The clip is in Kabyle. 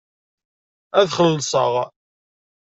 Ad xellṣeɣ.